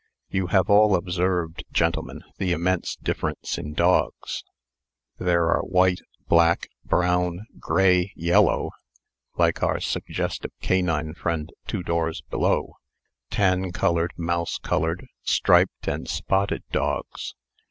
You have all observed, gentlemen, the immense differences in dogs. There are white, black, brown, gray, yellow (like our suggestive canine friend two doors below), tan colored, mouse colored, striped, and spotted dogs.